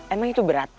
emang itu berat